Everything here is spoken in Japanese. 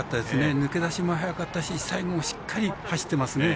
抜け出しも速かったし最後、しっかり走ってますね。